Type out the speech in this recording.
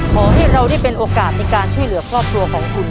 ขอให้เราได้เป็นโอกาสในการช่วยเหลือครอบครัวของคุณ